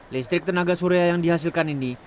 listrik tenaga surya yang dihasilkan ini